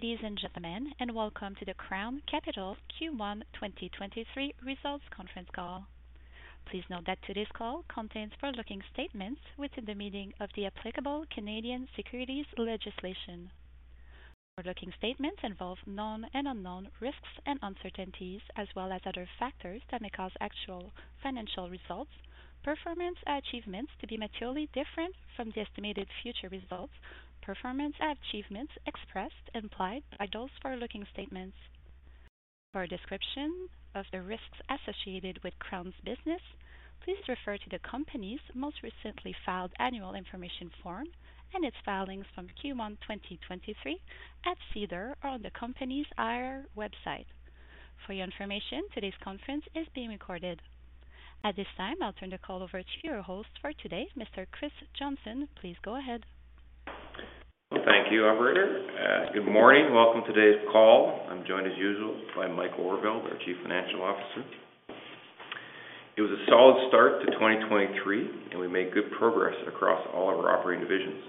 Good day, ladies and gentlemen, and welcome to the Crown Capital's Q1 2023 results conference call. Please note that today's call contains forward-looking statements within the meaning of the applicable Canadian securities legislation. Forward-looking statements involve known and unknown risks and uncertainties, as well as other factors that may cause actual financial results, performance, achievements to be materially different from the estimated future results, performance, achievements expressed, implied by those forward-looking statements. For a description of the risks associated with Crown's business, please refer to the company's most recently filed Annual Information Form and its filings from Q1 2023 at SEDAR or on the company's IR website. For your information, today's conference is being recorded. At this time, I'll turn the call over to your host for today, Mr. Chris Johnson. Please go ahead. Thank you, operator. Good morning. Welcome to today's call. I'm joined, as usual, by Michael Overvelde, our Chief Financial Officer. It was a solid start to 2023. We made good progress across all of our operating divisions.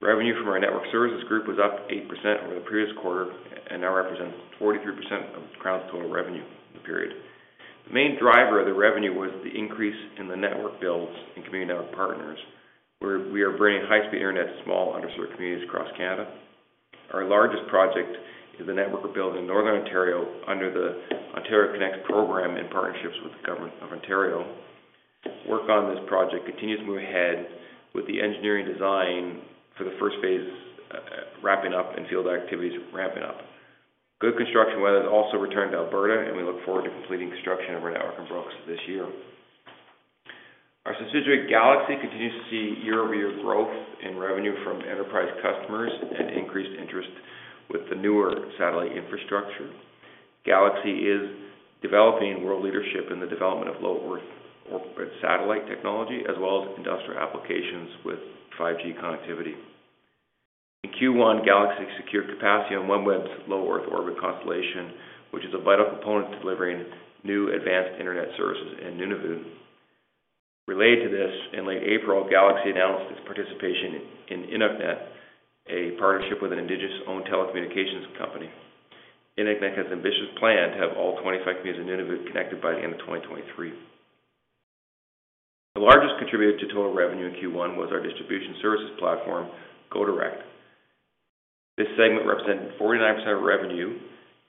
Revenue from our network services group was up 8% over the previous quarter and now represents 43% of Crown's total revenue in the period. The main driver of the revenue was the increase in the network builds and Community Network Partners, where we are bringing high-speed internet to small underserved communities across Canada. Our largest project is a network we're building in Northern Ontario under the Ontario Connects program in partnerships with the Government of Ontario. Work on this project continues to move ahead with the engineering design for the first phase, wrapping up and field activities ramping up. Good construction weather has also returned to Alberta. We look forward to completing construction over at City of Brooks this year. Our subsidiary, Galaxy, continues to see year-over-year growth in revenue from enterprise customers and increased interest with the newer satellite infrastructure. Galaxy is developing world leadership in the development of Low Earth Orbit satellite technology as well as industrial applications with 5G connectivity. In Q1, Galaxy secured capacity on OneWeb's Low Earth Orbit constellation, which is a vital component to delivering new advanced internet services in Nunavut. Related to this, in late April, Galaxy announced its participation in Inuknet, a partnership with an indigenous-owned telecommunications company. Inuknet has an ambitious plan to have all 25 communities in Nunavut connected by the end of 2023. The largest contributor to total revenue in Q1 was our distribution services platform, Go Direct. This segment represented 49% of revenue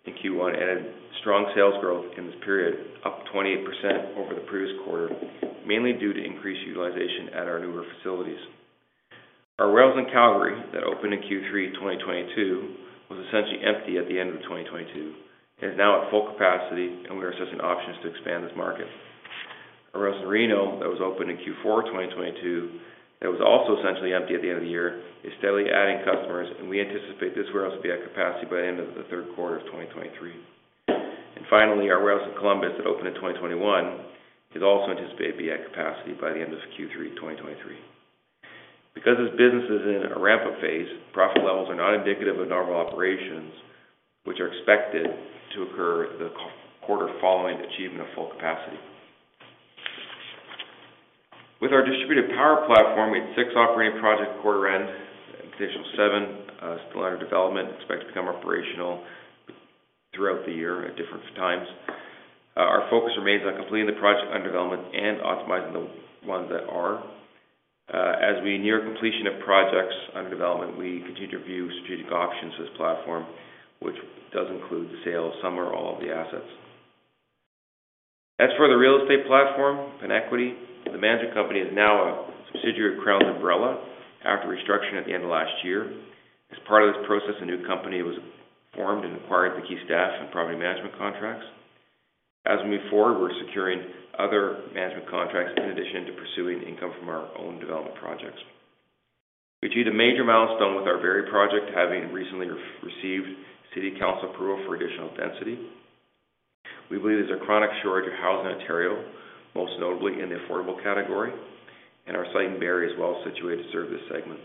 in Q1 and a strong sales growth in this period, up 28% over the previous quarter, mainly due to increased utilization at our newer facilities. Our warehouse in Calgary that opened in Q3 2022 was essentially empty at the end of 2022 and is now at full capacity. We are assessing options to expand this market. Our warehouse in Reno that was opened in Q4 2022, that was also essentially empty at the end of the year, is steadily adding customers. We anticipate this warehouse will be at capacity by the end of the third quarter of 2023. Finally, our warehouse in Columbus that opened in 2021 is also anticipated to be at capacity by the end of Q3 2023. Because this business is in a ramp-up phase, profit levels are not indicative of normal operations, which are expected to occur the q-quarter following achievement of full capacity. With our distributed power platform, we had six operating projects quarter end, additional seven still under development, expected to become operational throughout the year at different times. Our focus remains on completing the project under development and optimizing the ones that are. As we near completion of projects under development, we continue to view strategic options for this platform, which does include the sale of some or all of the assets. As for the real estate platform PenEquity, the management company is now a subsidiary of Crown's umbrella after restructuring at the end of last year. As part of this process, a new company was formed and acquired the key staff and property management contracts. As we move forward, we're securing other management contracts in addition to pursuing income from our own development projects. We achieved a major milestone with our very project, having recently re-received city council approval for additional density. We believe there's a chronic shortage of housing in Ontario, most notably in the affordable category, and our site in Barrie is well situated to serve this segment.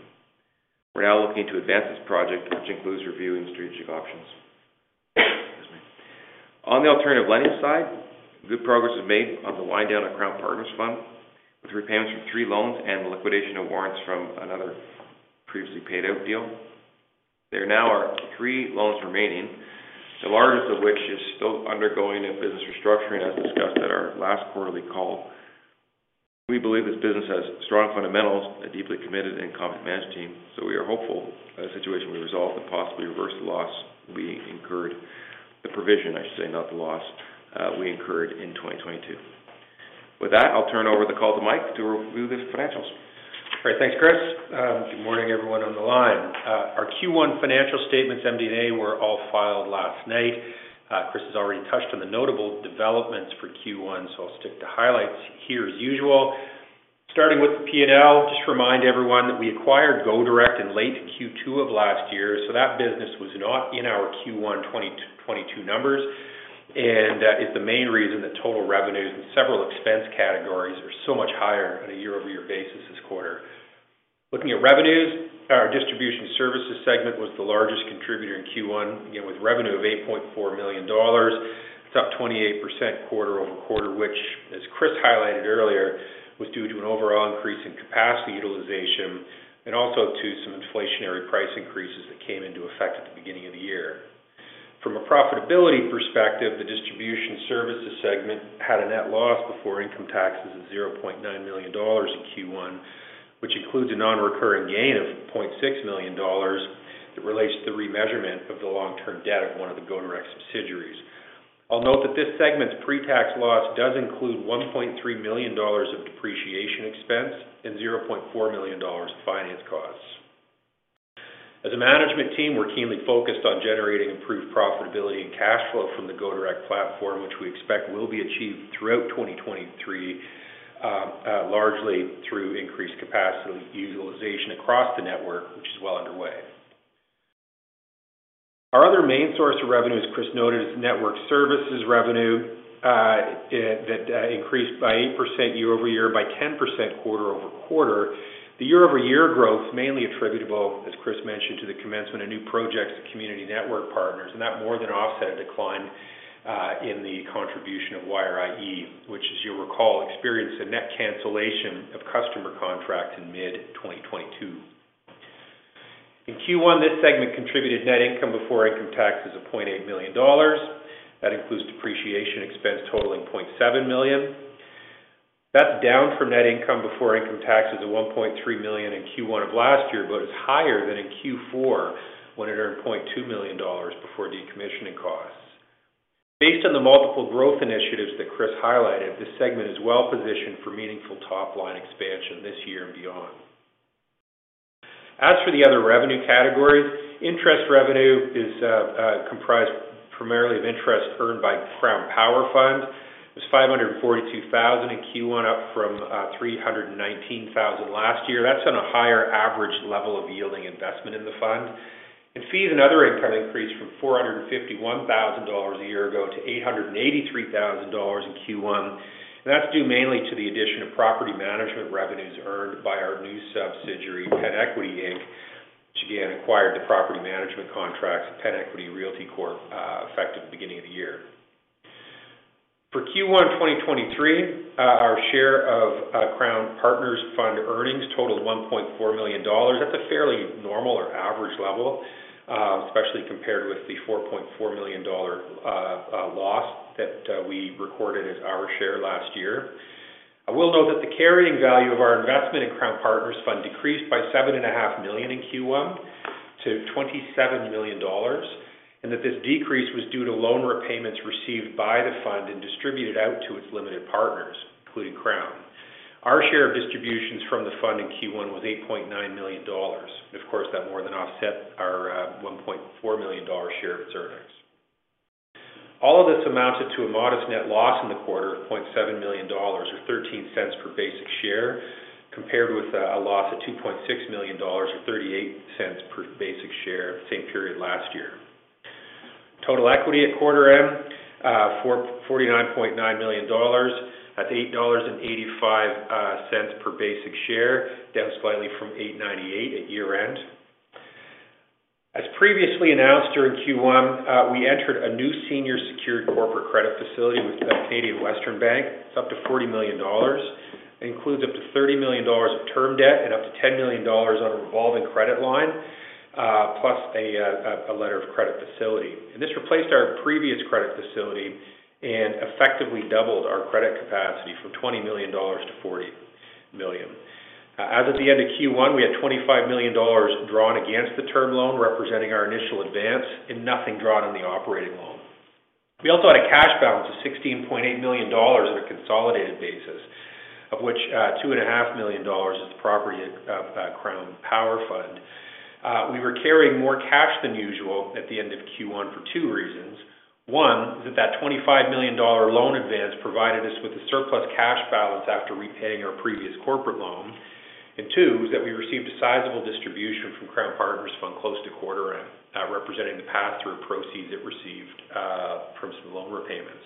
We're now looking to advance this project, which includes reviewing strategic options. Excuse me. On the alternative lending side, good progress was made on the wind down of Crown Partners Fund, with repayments from three loans and the liquidation of warrants from another previously paid out deal. There now are three loans remaining, the largest of which is still undergoing a business restructuring, as discussed at our last quarterly call. We believe this business has strong fundamentals, a deeply committed and competent management team, we are hopeful that the situation will resolve and possibly reverse the loss we incurred. The provision, I should say, not the loss, we incurred in 2022. With that, I'll turn over the call to Mike to review the financials. Thanks, Chris Johnson. Good morning, everyone on the line. Our Q1 financial statements, MD&A, were all filed last night. Chris Johnson has already touched on the notable developments for Q1, so I'll stick to highlights here as usual. Starting with the P&L, just remind everyone that we acquired Go Direct Global in late Q2 of last year, so that business was not in our Q1 2022 numbers, and that is the main reason that total revenues and several expense categories are so much higher on a year-over-year basis this quarter. Looking at revenues, our distribution services segment was the largest contributor in Q1, again, with revenue of 8.4 million dollars. It's up 28% quarter-over-quarter, which, as Chris Johnson highlighted earlier, was due to an overall increase in capacity utilization Also to some inflationary price increases that came into effect at the beginning of the year. From a profitability perspective, the distribution services segment had a net loss before income taxes of 0.9 million dollars in Q1, which includes a non-recurring gain of 0.6 million dollars that relates to the remeasurement of the long-term debt of one of the Go Direct subsidiaries. I'll note that this segment's pre-tax loss does include 1.3 million dollars of depreciation expense and 0.4 million dollars in finance costs. As a management team, we're keenly focused on generating improved profitability and cash flow from the Go Direct platform, which we expect will be achieved throughout 2023, largely through increased capacity utilization across the network, which is well underway. Our other main source of revenue, as Chris noted, is network services revenue that increased by 8% year-over-year, by 10% quarter-over-quarter. The year-over-year growth mainly attributable, as Chris mentioned, to the commencement of new projects to Community Network Partners, and that more than offset a decline in the contribution of WireIE, which as you recall, experienced a net cancellation of customer contracts in mid 2022. In Q1, this segment contributed net income before income tax of $0.8 million. That includes depreciation expense totaling $0.7 million. That's down from net income before income taxes of $1.3 million in Q1 of last year, but is higher than in Q4 when it earned $0.2 million before decommissioning costs. Based on the multiple growth initiatives that Chris highlighted, this segment is well-positioned for meaningful top-line expansion this year and beyond. As for the other revenue categories, interest revenue is comprised primarily of interest earned by Crown Partners Fund. It was 542,000 in Q1, up from 319,000 last year. That's on a higher average level of yielding investment in the fund. Fees and other income increased from 451,000 dollars a year ago to 883,000 dollars in Q1. That's due mainly to the addition of property management revenues earned by our new subsidiary, PenEquity Inc, which again acquired the property management contracts of PenEquity Realty Corp, effective beginning of the year. For Q1 2023, our share of Crown Partners Fund earnings totaled 1.4 million dollars. That's a fairly normal or average level, especially compared with the 4.4 million dollar loss that we recorded as our share last year. I will note that the carrying value of our investment in Crown Partners Fund decreased by seven and a half million in Q1 to 27 million dollars, and that this decrease was due to loan repayments received by the fund and distributed out to its limited partners, including Crown. Our share of distributions from the fund in Q1 was 8.9 million dollars. Of course, that more than offset our 1.4 million dollar share of its earnings. All of this amounted to a modest net loss in the quarter of 0.7 million dollars or 0.13 per basic share, compared with a loss of 2.6 million dollars or 0.38 per basic share same period last year. Total equity at quarter end, 49.9 million dollars. That's 8.85 per basic share, down slightly from 8.98 at year-end. As previously announced during Q1, we entered a new senior secured corporate credit facility with Canadian Western Bank. It's up to 40 million dollars. It includes up to 30 million dollars of term debt and up to 10 million dollars on a revolving credit line, plus a letter of credit facility. This replaced our previous credit facility and effectively doubled our credit capacity from 20 million dollars to 40 million. As at the end of Q1, we had 25 million dollars drawn against the term loan, representing our initial advance, and nothing drawn in the operating loan. We also had a cash balance of 16.8 million dollars on a consolidated basis, of which, two and a half million dollars is the property of Crown Partners Fund. We were carrying more cash than usual at the end of Q1 for two reasons. One is that that 25 million dollar loan advance provided us with a surplus cash balance after repaying our previous corporate loan. Two is that we received a sizable distribution from Crown Partners Fund close to quarter end, representing the pass-through proceeds it received from some loan repayments.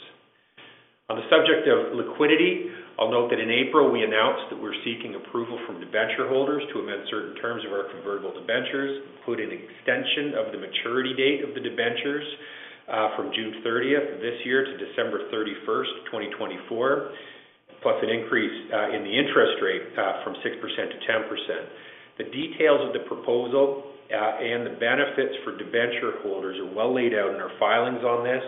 On the subject of liquidity, I'll note that in April, we announced that we're seeking approval from debenture holders to amend certain terms of our convertible debentures, including extension of the maturity date of the debentures, from June 30th of this year to December 31st, 2024, plus an increase in the interest rate from 6% to 10%. The details of the proposal and the benefits for debenture holders are well laid out in our filings on this.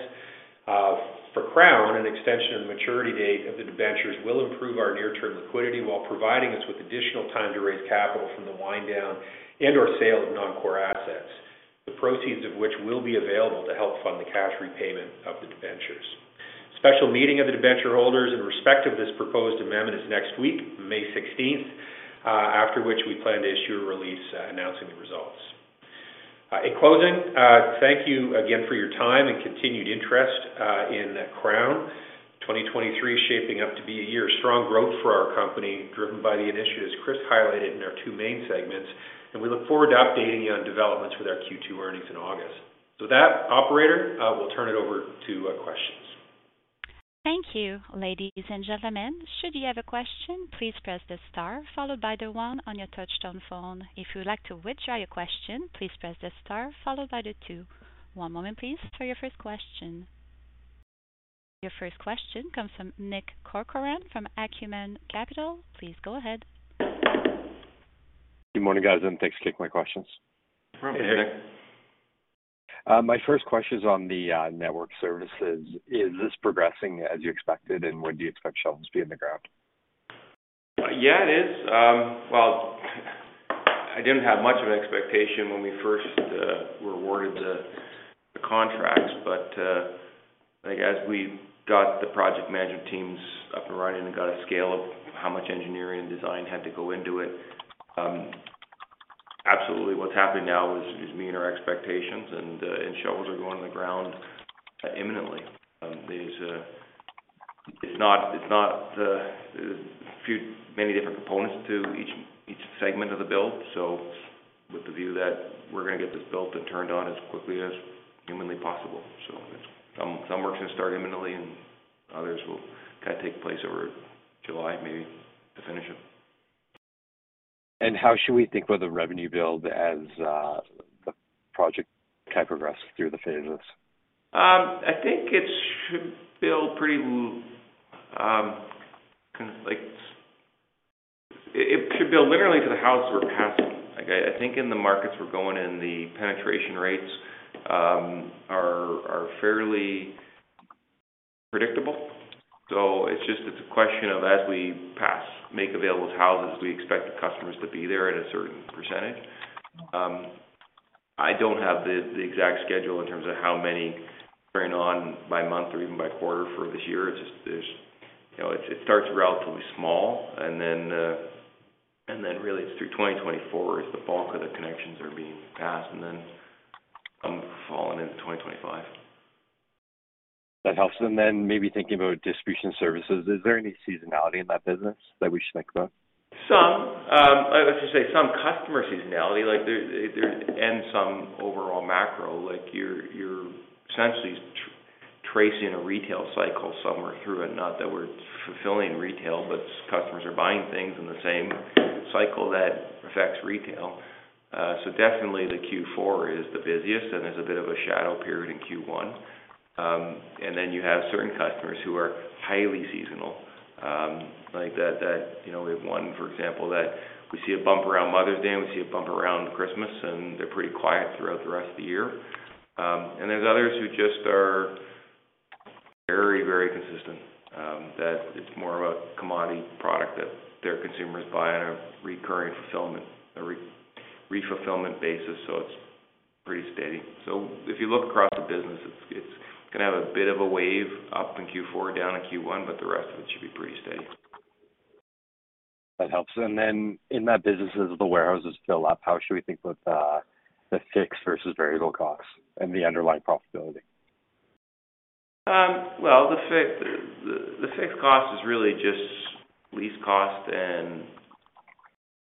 For Crown, an extension of the maturity date of the debentures will improve our near-term liquidity while providing us with additional time to raise capital from the wind down and/or sale of non-core assets, the proceeds of which will be available to help fund the cash repayment of the debentures. Special meeting of the debenture holders in respect of this proposed amendment is next week, May 16th, after which we plan to issue a release, announcing the results. In closing, thank you again for your time and continued interest in Crown. 2023 is shaping up to be a year of strong growth for our company, driven by the initiatives Chris highlighted in our two main segments, and we look forward to updating you on developments with our Q2 earnings in August. That, operator, we'll turn it over to questions. Thank you. Ladies and gentlemen, should you have a question, please press the star followed by the one on your touchtone phone. If you would like to withdraw your question, please press the star followed by the two. One moment, please, for your first question. Your first question comes from Nick Corcoran from Acumen Capital. Please go ahead. Good morning, guys, and thanks. Take my questions. No problem. My first question is on the network services. Is this progressing as you expected, and when do you expect shovels to be in the ground? Yeah, it is. Well, I didn't have much of an expectation when we first were awarded the contracts. Like, as we got the project management teams up and running and got a scale of how much engineering design had to go into it, absolutely what's happening now is meeting our expectations and shovels are going in the ground imminently. It's not many different components to each segment of the build. With the view that we're gonna get this built and turned on as quickly as humanly possible. Some works gonna start imminently and others will kind of take place over July maybe to finish it. How should we think about the revenue build as the project kind of progresses through the phases? I think it should build pretty, kind of like It should build linearly to the houses we're passing. I think in the markets we're going in, the penetration rates are fairly predictable. It's just, it's a question of as we pass, make available to houses, we expect the customers to be there at a certain percentage. I don't have the exact schedule in terms of how many turn on by month or even by quarter for this year. It's just there's, you know. It starts relatively small and then, and then really it's through 2024 is the bulk of the connections are being passed and then falling into 2025. That helps. Then maybe thinking about distribution services, is there any seasonality in that business that we should think about? Some, let's just say some customer seasonality, like some overall macro, like you're essentially tracing a retail cycle somewhere through it. Not that we're fulfilling retail, but customers are buying things in the same cycle that affects retail. Definitely the Q4 is the busiest and there's a bit of a shadow period in Q1. Then you have certain customers who are highly seasonal, like, you know, we have one, for example, that we see a bump around Mother's Day, we see a bump around Christmas, and they're pretty quiet throughout the rest of the year. There's others who just are very, very consistent, that it's more of a commodity product that their consumers buy on a recurring fulfillment or refillment basis, so it's pretty steady. If you look across the business, it's gonna have a bit of a wave up in Q4, down in Q1, but the rest of it should be pretty steady. That helps. Then in that business, as the warehouses fill up, how should we think about, the fixed versus variable costs and the underlying profitability? Well, the fixed cost is really just lease cost and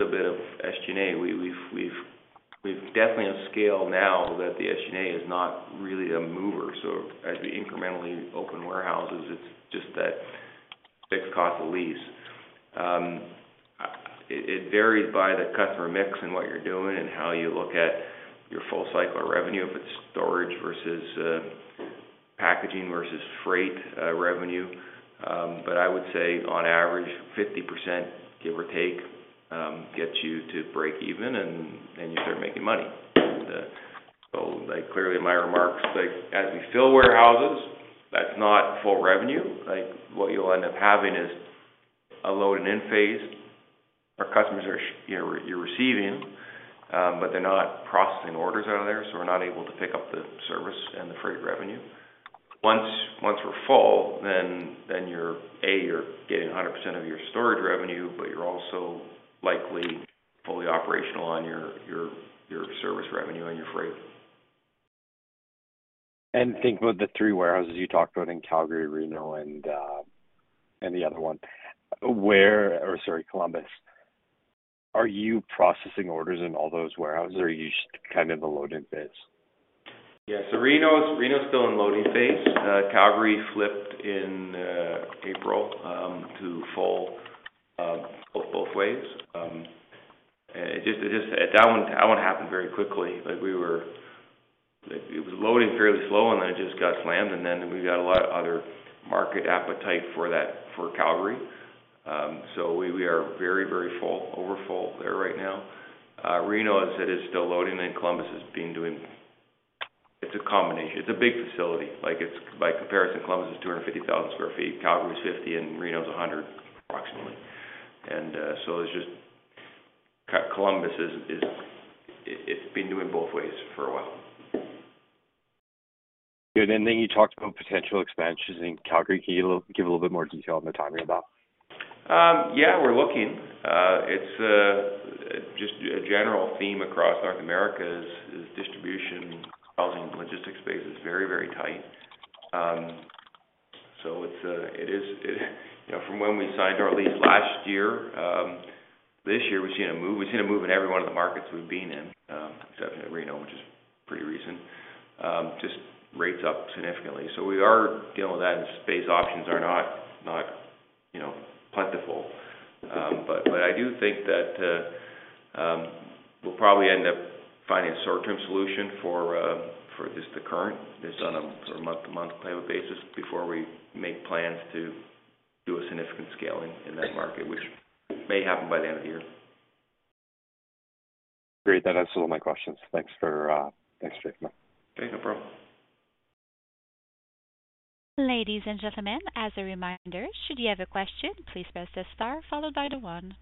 a bit of SG&A. We've definitely have scale now that the SG&A is not really a mover. As we incrementally open warehouses, it's just that fixed cost of lease. It varies by the customer mix and what you're doing and how you look at your full cycle of revenue, if it's storage versus packaging versus freight revenue. I would say on average, 50%, give or take, gets you to break even and you start making money. Like clearly in my remarks, like as we fill warehouses, that's not full revenue. Like what you'll end up having is a load and in phase our customers are you're receiving, but they're not processing orders out of there, so we're not able to pick up the service and the freight revenue. Once we're full, then you're, A, you're getting 100% of your storage revenue, but you're also likely fully operational on your service revenue and your freight. Think about the three warehouses you talked about in Calgary, Reno, and Columbus. Are you processing orders in all those warehouses or are you just kind of a load in phase? Yeah. Reno's still in loading phase. Calgary flipped in April to full both ways. That one happened very quickly. Like it was loading fairly slow, and then it just got slammed. We've got a lot of other market appetite for that, for Calgary. We are very, very full, over full there right now. Reno as it is still loading and Columbus has been doing... It's a combination. It's a big facility. Like it's by comparison, Columbus is 250,000 sq ft. Calgary is 50 and Reno is 100 approximately. Columbus is it's been doing both ways for a while. Good. Then you talked about potential expansions in Calgary. Can you give a little bit more detail on the timing of that? Yeah, we're looking. It's just a general theme across North America is distribution housing logistics space is very, very tight. It is, you know, from when we signed our lease last year, this year we've seen a move. We've seen a move in every one of the markets we've been in, except for Reno, which is pretty recent. Just rates up significantly. We are dealing with that, and space options are not, you know, plentiful. But I do think that we'll probably end up finding a short-term solution for just the current. It's on a sort of month-to-month payment basis before we make plans to do a significant scaling in that market, which may happen by the end of the year. Great. That answers all my questions. Thanks for taking my- Okay, no problem. Ladies and gentlemen, as a reminder, should you have a question, please press star followed by the one.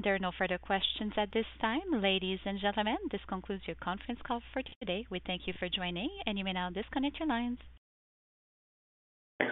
There are no further questions at this time. Ladies and gentlemen, this concludes your conference call for today. We thank you for joining, you may now disconnect your lines.